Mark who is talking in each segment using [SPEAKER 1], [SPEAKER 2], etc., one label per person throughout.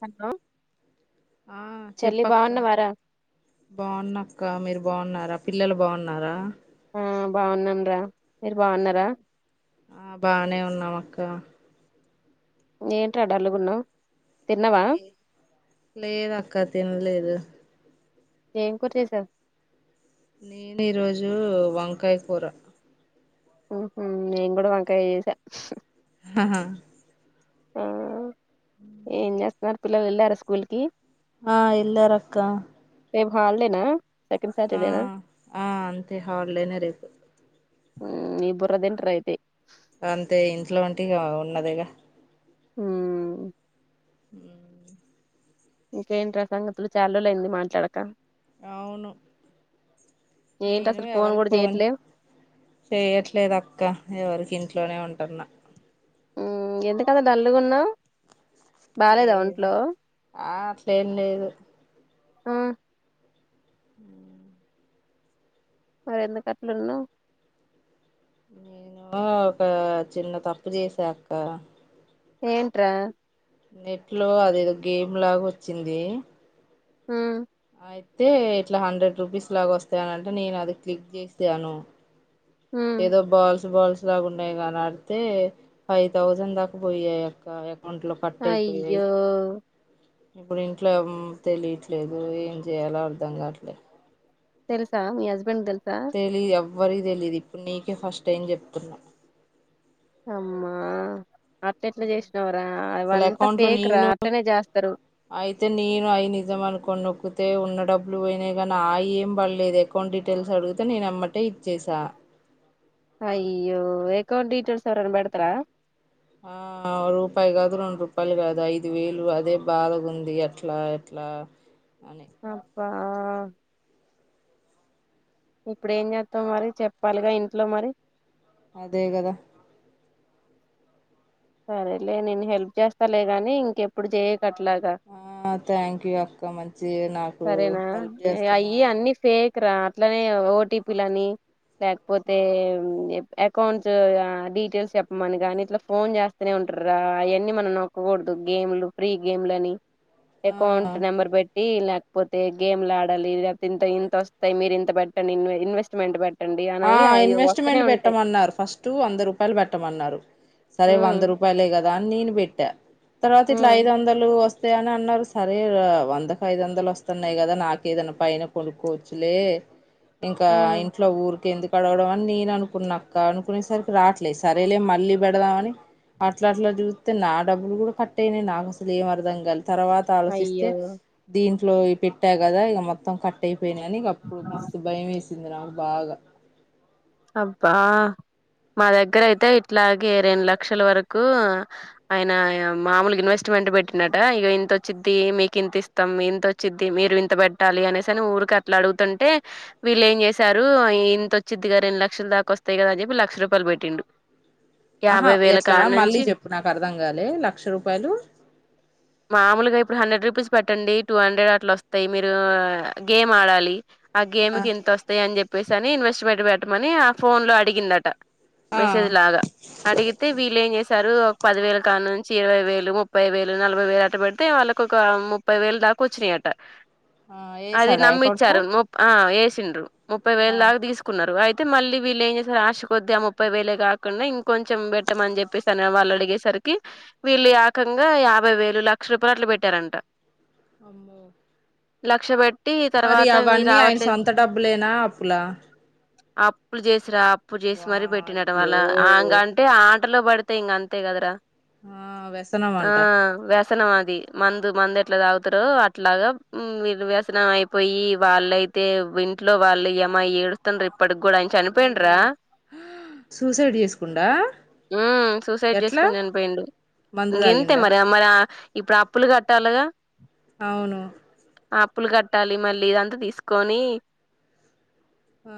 [SPEAKER 1] Hello
[SPEAKER 2] ఆ
[SPEAKER 1] చెల్లి
[SPEAKER 2] చెప్పక్క
[SPEAKER 1] బాగున్నవారా
[SPEAKER 2] బాగున్నక్క మీరు బాగున్నార్ ర పిల్లలు బాగున్నారా
[SPEAKER 1] ఆ బాగున్నాం రా మీరు బాగున్నారా
[SPEAKER 2] ఆ బానే ఉన్నాం అక్క
[SPEAKER 1] ఏంట్రా డళ్ళుగున్నావ్
[SPEAKER 2] లేదు అక్క తినలేదు
[SPEAKER 1] ఏం కూర చేసావ్
[SPEAKER 2] నేను ఈరోజు వంకాయ కూర
[SPEAKER 1] ఉహు నేను కూడా వంకాయే చేశా
[SPEAKER 2] హా అ
[SPEAKER 1] ఆ ఏం చేస్తన్నారు పిల్లలు వెళ్ళార స్కూల్ కి
[SPEAKER 2] ఆ ఎల్లార అక్క
[SPEAKER 1] రేపు హాలిడే నా
[SPEAKER 2] ఆ ఆ అంతే హాలీడేనే రేపు
[SPEAKER 1] ఊ నీ బుర్ర తింటర్ అయిత్
[SPEAKER 2] అంతే ఇంట్లో ఉంటే ఇగ ఉన్నదే గా
[SPEAKER 1] ఊ ఉ
[SPEAKER 2] ఉమ్ ఉ
[SPEAKER 1] ఇంకేంట్రా సంగతులు చాలరోజులు అయింది మాట్లాడక
[SPEAKER 2] అవును
[SPEAKER 1] ఏంటి
[SPEAKER 2] నేను
[SPEAKER 1] అసలు ఫోన్
[SPEAKER 2] ఎవరికి
[SPEAKER 1] కూడా
[SPEAKER 2] పోన్
[SPEAKER 1] చేయట్లేవ్
[SPEAKER 2] చేయట్లేదు అక్క ఎవరికి ఇంట్ ఇంట్లోనే ఉంటన్న
[SPEAKER 1] ఎందుకంత డల్లుగున్నావ్ బాలేదా ఒంట్లో
[SPEAKER 2] సేన్న ఏదు
[SPEAKER 1] ఆ
[SPEAKER 2] ఉం
[SPEAKER 1] మరి ఎందుకట్లున్నవ్వ్
[SPEAKER 2] నేను ఒక చిన్న తప్పు చేసాక్క
[SPEAKER 1] ఏంట్రా
[SPEAKER 2] నెట్ లో అదేదో గేమ్ లాగా వచ్చింది.
[SPEAKER 1] ఉ
[SPEAKER 2] అయితే ఇట్లా హండ్రెడ్ రూపీస్ లాగా వస్తాయనంటే నేను అది క్లిక్ చేశాను.
[SPEAKER 1] ఉ
[SPEAKER 2] ఏదో బలబల్స్ లాగా ఉన్నాయి కాని ఆడితే ఫైవ్ థౌసండ్ దాకా పోయాయి అక్క ఒంట్లో పట్ అయిపోఇనాయి
[SPEAKER 1] అయ్యో
[SPEAKER 2] ఇప్పుడు ఇంట్లో తెలియట్లేదు. ఏం చేయాలో అర్ధం కావట్లేదు.
[SPEAKER 1] తెల్సా మీ హస్బెండ్ దెల్
[SPEAKER 2] తెలీదు ఎవ్వరికి తెలీదు ఇప్పుడు నీకే ఫస్ట్ టైం చెప్తున్నా.
[SPEAKER 1] అమ్మా అట్ ఎట్లా చేసినవరా
[SPEAKER 2] అసలు
[SPEAKER 1] అవంతా
[SPEAKER 2] అకౌంట్ లో
[SPEAKER 1] ఫేక్ రా
[SPEAKER 2] నేను
[SPEAKER 1] అట్నే చేస్తరు.
[SPEAKER 2] అయితే నేను అయి నిజం అనుకోనిక్కు అయితే ఉన్న డబ్బులు పోయినా కానీ ఆ ఇ ఏం పడలేదు. అకౌంట్ డీటెయిల్స్ అడిగితే నేను అమ్మటే ఇచ్చేసా.
[SPEAKER 1] అయ్యో అకౌంట్ డీటేల్స్ ఎవరైనా బడతర
[SPEAKER 2] ఆ రూపాయి కాదు రెండు రూపాయలు కాదు ఐదు వేలు అదే బాధగా ఉంది ఎట్లా ఎట్లా బ
[SPEAKER 1] అప్పా ఇప్పుడు ఏం చేస్తాం మరి చెప్పాలిగా ఇంట్లో మరి
[SPEAKER 2] అదే కదా
[SPEAKER 1] సరేలే నేను హెల్ప్ చేస్తాలే గాని ఇంకెప్పుడు చేయ
[SPEAKER 2] ఆ థ్యాంక్ యూ అక్క మంచియే నాకు
[SPEAKER 1] సరేనా
[SPEAKER 2] హెల్ప్ చేస్తున్నా
[SPEAKER 1] అయి అన్ని సేమ్ ఇక్కడ అట్లనే ఓటీపి లని లేకపోతే ఎప్ అకౌంట్స్ ఆ డీటెయిల్స్ చెప్పమని కానీ ఇట్ల ఫోన్ చేస్తనే ఉంటారా అవన్నీ మనం నొక్కకూడదు గేమ్లు ప్రీ గేమ్ లని అకౌంట్
[SPEAKER 2] ఆ
[SPEAKER 1] నెంబర్ పెట్టి ఇలా పోతే గేమ్లు ఆడాలి లేపోతే ఇంత ఇన్తొస్తాయ్ మీరు ఇంత పెట్టండి ఇన్ ఇన్వెస్ట్మెంట్ పెట్ట
[SPEAKER 2] ఆ ఇన్వెస్ట్మెంట్ పెట్టమన్నారు ఫస్ట్ వంద రూపాయలు పెట్టమన్నారు సరే
[SPEAKER 1] ఉమ్
[SPEAKER 2] వంద రూపాయలే కదా అని నేను పెట్టా తర్వాత ఇట్లా
[SPEAKER 1] ఉమ్
[SPEAKER 2] ఐదు వందలు వస్త వస్తే అని అన్నారు సరే వందక ఐదు వందలు వస్తున్నాయి కదా నాకు ఏదైనా పైన కొనుక్కోవచ్చులే ఇంకా
[SPEAKER 1] ఉమ్
[SPEAKER 2] ఇంట్లో ఊరు ఎందుకు అడగడం అని నేను అనుకున్నాక్క అనుకునేసరికి రాట్లేదు సరేలే మళ్ళీ పెడదామని అట్లా అట్లా చూస్తే నా డబ్బులు కూడా కట్ అయినాయి నాకు అసలు ఏం అర్థం కలి తర్వాత ఆలోచిస్తే
[SPEAKER 1] అయ్యో
[SPEAKER 2] దీంట్లో ఈ పెట్టా కదా ఇక మొత్తం కట్ అయి పోయినాయి అనీ గప్పుడు మస్తు భయం వేసింది నాకు బాగా
[SPEAKER 1] అబ్బా మా దగ్గర అయితే ఇట్లాగే రెండు లక్షల వరకు ఆయన మామూలుగా ఇన్వెస్ట్ వెంట పెట్టినట ఇక ఇంతొచ్చిద్ది మీకు ఇంత ఇస్తాం ఇంతొచ్చిద్ది మీరు ఇంత పెట్టాలి అనేసి అని ఊరికి అట్లా అడుగుతుంటే వీళ్ళ ఏం చేశారు ఇంతొచ్చి ద్దిగా రెం లక్షల దాకా వస్తాయి కదా అన్ చెప్ప లక్ష రూపాయలు పెట్టిండు
[SPEAKER 2] ఆహా
[SPEAKER 1] యాభై వేల
[SPEAKER 2] ఎట్లా
[SPEAKER 1] కానుంచి
[SPEAKER 2] మళ్ళీ చెప్పు నాకు అర్ధం కాలే లక్ష రూపాయలు
[SPEAKER 1] మామూలుగా ఇప్పుడు హండ్రెడ్ రూపీస్ పెట్టండి టూ హండ్రెడ్ అట్లా వస్తాయి మీరు గేమ్ ఆడాలి ఆ గేమ్ క ఎంత వస్తాయి అని చెప్పేసి అని ఇన్వెస్ట్మెంట్ పెట్టమని ఆ ఫోన్ లో అడిగిందట
[SPEAKER 2] ఆ
[SPEAKER 1] మెసేజల్గా అడిగితే వీళ్లేే ఎం చేేసి త్తరు ఒక పది వేలు కా నుంచి ఇరవై వేలు ముప్పై వేలు నలభై వేలు అట పెడితే వాళ్ళకోక ముప్పై వేలు దాకోచినాయట
[SPEAKER 2] ఆ
[SPEAKER 1] అది
[SPEAKER 2] ఏసాడా అకౌంట్ లో
[SPEAKER 1] నమ్మిచారు ఇచ్చిండ్రు ముప్పై వేలు
[SPEAKER 2] ఆ
[SPEAKER 1] దాకా తీసుకున్నారు అయితే అయితే మళ్ళీ వెళ్ళేంచేశారు ఆశ కొద్ది ఆ ముప్పై వేలే కాకుండా ఇంకొంచెం పెట్టమని చెప్పేసి అని వాళ్ళు అడిగేసరికి వీళ్ళు ఏకంగా యాభై వేలు లక్షల రూపాయలు అట్ల పెట్టారంట
[SPEAKER 2] అమ్మో
[SPEAKER 1] లక్ష పెట్
[SPEAKER 2] మరి అవన్నీ ఆయన సొంత డబ్బులేనా అప్పులా
[SPEAKER 1] అప్పులు చేసిరా అప్పులు చేసి మరీ పెట్టిండు అట
[SPEAKER 2] వాయ్యో
[SPEAKER 1] వాళ్ళ అంగ అంటే ఆ దాంట్లో పడితే ఇంకంతే కదా రా
[SPEAKER 2] ఆ వెసనమంట
[SPEAKER 1] వ్యసనం అది మందు మందు ఎట్లా తాగుతారో అట్లాగా మ్ ఇది వ్యసనం అయిపోయి వాళ్ళయి అయితే ఇంట్లో వాళ్ళు యమ ఏడుస్తుండ్ర ఇప్పటికి కూడా ఆయన చనిపోయిండరా
[SPEAKER 2] అయ్యో సూసైడ్ చేసుకుండా
[SPEAKER 1] హ సూసైడ్
[SPEAKER 2] ఎట్లా
[SPEAKER 1] చేసుకొని చనిపోయిండు
[SPEAKER 2] మందు
[SPEAKER 1] ఇంకెంతే
[SPEAKER 2] తాగిండా
[SPEAKER 1] మరి మరి ఇప్పుడు అప్పులు కట్టాలగా
[SPEAKER 2] అవును
[SPEAKER 1] ఆప్పులు కట్టాలి మళ్ళీ ఇదంతా తీసుకొని
[SPEAKER 2] ఆ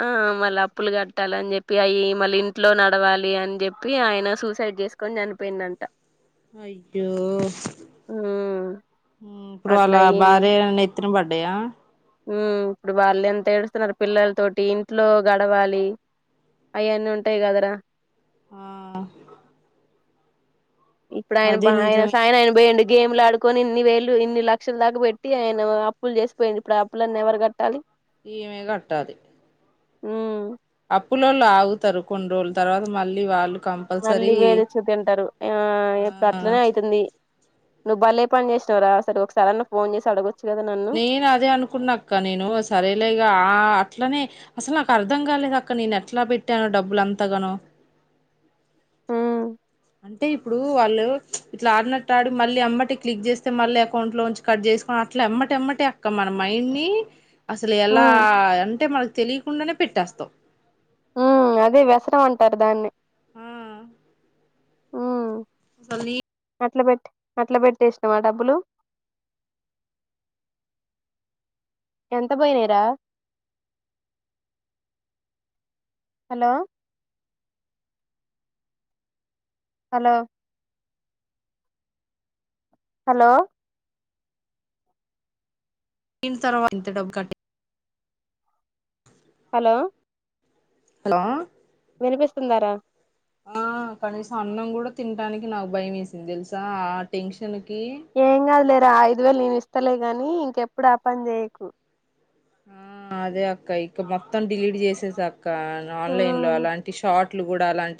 [SPEAKER 1] ఆ మళ్ళీ అప్పులు కట్టాలిని చెప్పి అయి మళ్ళీ ఇంట్లో నడవాలి అని చెప్పి ఆయన సూసైడ్ చేస్త చేస్కొని చనిపోయిండంట
[SPEAKER 2] అయ్యో
[SPEAKER 1] ఉమ్
[SPEAKER 2] ఇప్పుడు వాళ్ళ
[SPEAKER 1] అట్లా అయింది
[SPEAKER 2] భార్యే డీ ఇనబడ్డాయ
[SPEAKER 1] ఇప్పుడు వాళ్ళు ఎంత ఏడుస్తున్నారు పిల్లల తోటి ఇంట్లో గడవాలి అయన్నీ ఉంటాయి కాదరా
[SPEAKER 2] ఆ
[SPEAKER 1] ఇప్పుడు
[SPEAKER 2] అది
[SPEAKER 1] ఆయనబాయ
[SPEAKER 2] నిజమే
[SPEAKER 1] సాయనయాన పోయిన్ డు గేమ్లు ఆడుకొని ఇన్ని వేలు ఇన్ని లక్షల దాకా పెట్టి ఆయన అప్పులు చేసిపోయింది ఇప్పుడు అప్పులన్నీ ఎవరు కట్టాలి
[SPEAKER 2] ఈమె కట్టాలీ
[SPEAKER 1] ఉమ్
[SPEAKER 2] అప్పులోళ్ళు ఆగుతారు కొన్ని రోజులు తర్వాత మళ్ళీ వాళ్ళు
[SPEAKER 1] మళ్ళీ
[SPEAKER 2] కంపల్సరీ
[SPEAKER 1] వేల్చు తింటారు ఆ ఇప్పుడు అట్లనే అయితుంది నువ్వు భలే పని చేసినవ రాా సర ఒకసారిా నువ్ ఫోన్ చేసి అడగొచ్
[SPEAKER 2] నేను అదే అనుకున్నాక్క నేను సరేలేగా ఆ అట్లనే అసలు నాకు అర్ధం కాలేదు అక్క నేను ఎట్లా పెట్టాను డబ్బులు అంత గనో
[SPEAKER 1] ఉమ్
[SPEAKER 2] అంటే ఇప్పుడు వాళ్ళు ఇట్లా ఆడినట్టు ఆడి మళ్ళీ అమ్మటి క్లిక్ చేస్తే మళ్ళీ అకౌంట్ లోంచి కట్ చే చేసి అట్లా ఎమ్మటెమ్మటె అక్క మన మైండ్ ని అసలు ఎలా
[SPEAKER 1] ఉమ్
[SPEAKER 2] అంటే మనకు తెలియకుండానే పెట్టేస్తాం
[SPEAKER 1] ఉ అదే వ్యసనం అంటారు దాన్ని
[SPEAKER 2] ఆ
[SPEAKER 1] ఊ
[SPEAKER 2] సన్నీ
[SPEAKER 1] అట్లా పెట్ అట్లా వెట్టేసినవా డబ్బులు ఎంత పోయినయి రా హలో హలో హలో
[SPEAKER 2] దీని తర్వా అంత డబ్బు కంటే
[SPEAKER 1] హలో
[SPEAKER 2] హలో
[SPEAKER 1] వినిపిస్తుందారా
[SPEAKER 2] ఆ కనీసం అన్నం కూడా తినడానికి నాకు భయం వేసింది తెలుసా ఆ టెన్షన్ కి
[SPEAKER 1] ఏం కాదులేరా ఐదు వేలు నేను ఇస్తలే గాని ఇంకెప్పుడు ఆ పని చేయకు
[SPEAKER 2] ఆ అదే అక్క ఇక మొత్తం డిలీట్ చేసేసా అక్క ఆన్లైన్ లో అలాంటి షార్ట్ ట్లు కూడా అలాంటి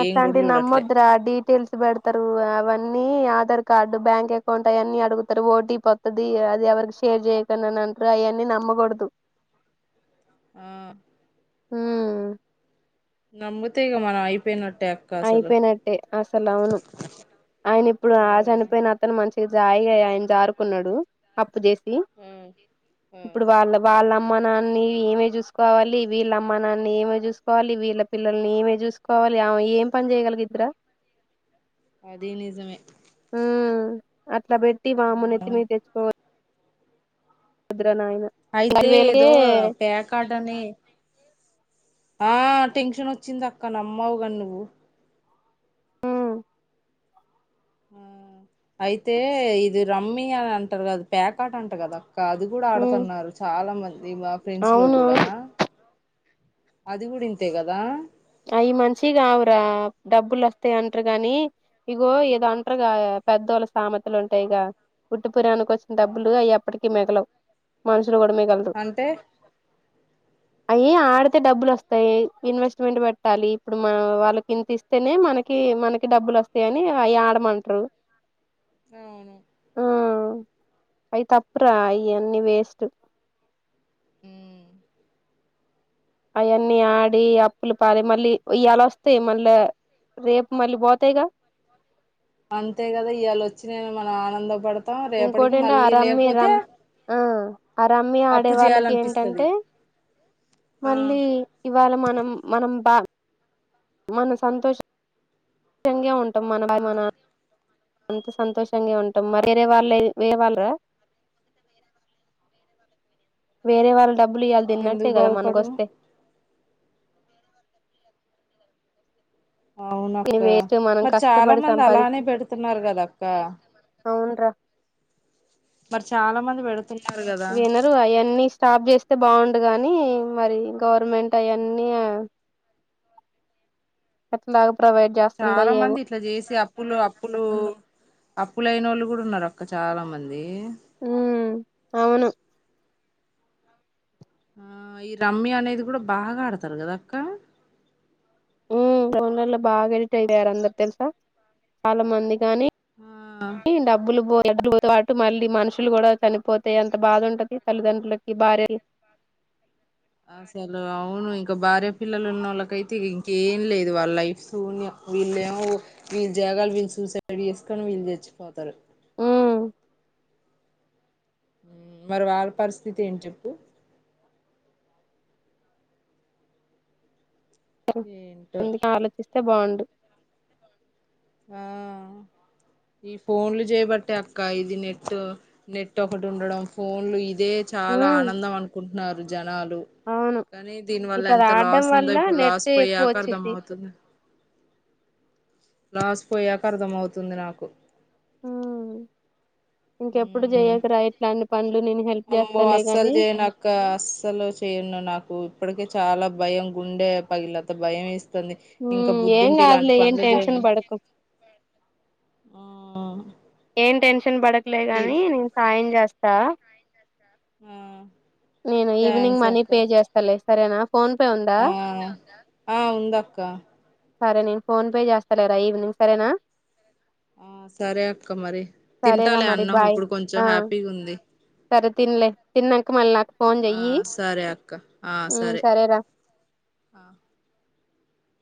[SPEAKER 1] అట్టాన్ టివి నమ్మొద్దురా డీప్ తెల్స్ పెడతారు అవన్నీ ఆధార్ కార్డు బ్యాంక్ అకౌంట్ అయన్నీ అడుగుతారు ఓటీపి వత్తది అది ఎవరికి షేర్ చేయ్యకన్ డి అని అంటారు అవన్నీ నమ్మకూడదు
[SPEAKER 2] ఆ
[SPEAKER 1] హ్మ్
[SPEAKER 2] నమ్ముతే ఇగ మనం అయిపోయినట్టు
[SPEAKER 1] అయిపోయినట్టే అసలు అవును ఆయన ఇప్పుడు ఆ చనిపోయిన అతను మంచి జాయిగా ఆయన జారుకున్నాడు అప్పు చేసి
[SPEAKER 2] ఆ ఆ
[SPEAKER 1] ఇప్పుడు వాళ్ళ వాళ్ళ అమ్ అమ్మ నాన్నీ ఏమే చూసుకోవాలి వీళ్ళ అమ్మ నాన్నన్ని ఏమే చూసుకోవాలి వీళ్ళ పిల్లల్ని ఈమే చూసుకోవాలి కావాలి ఏం పని చేయగలిగిద్ది రా
[SPEAKER 2] అధీ నిజమే
[SPEAKER 1] ఉమ్ అట్లా పెట్టి మా
[SPEAKER 2] ఆ
[SPEAKER 1] అమ్మ నెత్తి మీద తెచ్చుకో
[SPEAKER 2] అయితే
[SPEAKER 1] పది వేలకే
[SPEAKER 2] ఏదో పేకాడ్ అని ఆ టెన్షన్ వచ్చింది అక్కనమ్మవు కానీ నువ్వు
[SPEAKER 1] ఉమ్
[SPEAKER 2] ఆ అయితే ఇది రమ్మి యా అని అంటారు కద పేకాట్ అంట కదా ఇక అది కూడా
[SPEAKER 1] ఉమ్
[SPEAKER 2] ఆడుతున్నారు చాలా మంది మా ఫ్ఫ్రెండ్స్ లో
[SPEAKER 1] అవును
[SPEAKER 2] కూడా అది గూడా ఇంతే గదా
[SPEAKER 1] అవి మంచిగావ్ రా డబ్బులు వస్తాయి అంటారు గానీ ఇగో ఏదో అంటారుగా పెద్దోళ్ళ సామెతలు ఉంటాయిగా పుట్టు పురానికి వచ్చిన
[SPEAKER 2] ఆ
[SPEAKER 1] డబ్బులు అయెప్పటికీ మిగలవ్ మనుషులు గూడమిగలరు
[SPEAKER 2] అంటే
[SPEAKER 1] అయ్యి ఆడితే డబ్బులు వస్తాయి ఇన్వెస్ట్మెంట్ బె ట్టాలి ఇప్పుడు మన వాళ్ళ కింత ఇస్తేనే మనకి మనకి డబ్బులు వస్తాయ అని అవి ఆడమంటారు
[SPEAKER 2] అవును
[SPEAKER 1] ఆ అయ్యి తప్పురా ఇ అన్ని వేస్ట్
[SPEAKER 2] ఉమ్.
[SPEAKER 1] అవన్నీ ఆడి అప్పుల పాలై మళ్ళీ ఇయాలా వస్తాయి మళ్ళా రేపు మళ్ళీ పోతాయిగా
[SPEAKER 2] అంతే గదా ఇయాళ వచ్చిన యని మనం ఆనందపడ
[SPEAKER 1] ఇంకోటి ఏంట ఆ రమ్మీ రమ్ ఆ అరమ్మీ ఆడే
[SPEAKER 2] అప్పు
[SPEAKER 1] వాళ్ళకి
[SPEAKER 2] చేయాలనిపిస్తది
[SPEAKER 1] ఏంటంటే
[SPEAKER 2] ఆ
[SPEAKER 1] మళ్ళీ ఇవాళ మనం మనం బా మన సంతోష ఉంట మన
[SPEAKER 2] ఆ
[SPEAKER 1] భా మన అంత సంతోషంగా ఉంటాం మరి వేరే వాళ్ళు వేరే వాళ్ళరా [inaudible] వేరే వాళ్ళ డబ్బులు ఇయ్యాల దిన్నట్టే
[SPEAKER 2] ఎందుకు
[SPEAKER 1] గదా
[SPEAKER 2] బాధపడను
[SPEAKER 1] మనకొస్తే ఇగ
[SPEAKER 2] అవునక్క
[SPEAKER 1] వేస్ట్ మనం
[SPEAKER 2] మరి చాలా
[SPEAKER 1] కష్టపడి
[SPEAKER 2] మంది అలానే
[SPEAKER 1] సంపాదించు
[SPEAKER 2] పెడుతున్నారు కదా అక్క
[SPEAKER 1] అవును రా
[SPEAKER 2] మరి చాలా మంది పెడ్
[SPEAKER 1] వినరు అయన్నీ స్టాప్ జేస్తే బాగుండు గానీ మరి గవర్నమెంట్ అయన్నీ ఎట్లా [unintelligible]
[SPEAKER 2] చాలా మంది ఇట్లా జేసి అప్పులు అప్పులు అప్పులైనోళ్ళు కూడా ఉన్నారు అక్క చాలా మంది
[SPEAKER 1] ఉమ్ అవును
[SPEAKER 2] ఆ ఈ రమ్య అనేది కూడా బాగా ఆడతారు గదా అక్క
[SPEAKER 1] ఉమ్ ఫోన్లలో బాగా ఎడిట్ అయపోయారు అందరు తెలుసా చాలా మంది కానీ
[SPEAKER 2] ఆ
[SPEAKER 1] డబ్బులు పో డబ్బులు పాటు మళ్ళీ మనుషులు కూడా చనిపోతే ఎంత బాధ ఉంటది తల్లిదండ్రులకి భార్య [inaudible]
[SPEAKER 2] అసలు అవును ఇంకా భార్య పిల్లలు ఉన్నోళ్ళకైతే ఇంకేం లేదు వాళ్ళ లైఫ్ శూన్యం వీళ్ళు ఏమో వీళ్ళు జాగాల వీళ్ళు సూసైడ్ జేసుకొని వీళ్ళు జచ్చిపోతారు
[SPEAKER 1] ఉమ్
[SPEAKER 2] ఉమ్ మరి వాళ్ళ పరిస్థితి ఏంటి చెప్పు ఏంటో
[SPEAKER 1] అందుకే ఆలోచిస్తే బాగుంట
[SPEAKER 2] ఆ ఈ ఫోన్లు చేయబట్టే అక్క ఇది నెట్ నెట్ ఒకటి ఉండడం ఫోన్లు ఇది ఇదే చాలా
[SPEAKER 1] ఉమ్
[SPEAKER 2] ఆనందం అనుకుంటున్నారు జనాలు
[SPEAKER 1] అవును
[SPEAKER 2] కానీ దీని వల్ల
[SPEAKER 1] ఇప్పుడు అది
[SPEAKER 2] ఎంత
[SPEAKER 1] ఆడడం
[SPEAKER 2] లాస్
[SPEAKER 1] వల్ల
[SPEAKER 2] ఉందో ఇప్పుడు లాస్
[SPEAKER 1] నెట్ ఎక్కువ
[SPEAKER 2] పోయాకా
[SPEAKER 1] వచ్చిద్ది
[SPEAKER 2] అర్ధమౌతుంది లాస్ పోయాక అర్థం అవుతుంది నాకు
[SPEAKER 1] ఉమ్ ఇంకెప్పుడు
[SPEAKER 2] ఉమ్
[SPEAKER 1] జేయకురా ఇట్లాంటి పనులు నేను హెల్ప్
[SPEAKER 2] అమ్మో
[SPEAKER 1] చేస్తాలే
[SPEAKER 2] అస్సలు
[SPEAKER 1] గాని
[SPEAKER 2] జేయనక్క అస్సలు చేయను నాకు ఇప్పటికే చాలా భయం గుండె పగిలినంత భయం ఏ తుంది ఇంకా
[SPEAKER 1] ఉమ్ ఏం
[SPEAKER 2] బుద్ధింటే ఇలాంటి
[SPEAKER 1] కాదులే ఏం
[SPEAKER 2] పనులు చేయ
[SPEAKER 1] టెన్షన్ పడకు ఏం టెన్ క్షన్ బడకులే గాని నేను సాయం జేస్తా
[SPEAKER 2] ఉమ్
[SPEAKER 1] నేను ఈవినింగ్ మనీ పే జేస్తలే సరేనా ఫోన్పే ఉందా
[SPEAKER 2] ఆ ఆ ఉంద అక్క
[SPEAKER 1] సరే నేను ఫోన్ పే చేస్తాలేరా ఈవినింగ్ సరేనా
[SPEAKER 2] ఆ సరే అక్క మరి
[SPEAKER 1] సరేరా
[SPEAKER 2] తింటాలి
[SPEAKER 1] మరి
[SPEAKER 2] అన్నం
[SPEAKER 1] బాయ్
[SPEAKER 2] ఇప్పుడు కొంచెం
[SPEAKER 1] ఆ
[SPEAKER 2] హ్యాపీగా ఉంది
[SPEAKER 1] సరే తిన్లే తిన్నాక మళ్ళ నా
[SPEAKER 2] ఆ సరే అక్క ఆ
[SPEAKER 1] ఉమ్
[SPEAKER 2] సరే
[SPEAKER 1] సరేరా
[SPEAKER 2] ఆ